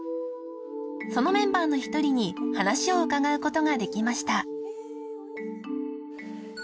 ［そのメンバーの１人に話を伺うことができました］